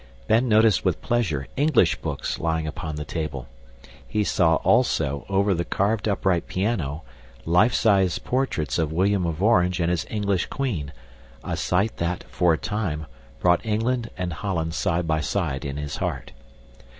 Ben noticed with pleasure English books lying upon the table. He saw also over the carved upright piano, life sized portraits of William of Orange and his English queen, a sight that, for a time, brought England and Holland side by side in his heart.